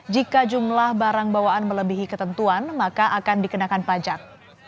jika jumlah barang bawaan melebihi ketentuan maka akan dikenakan pajak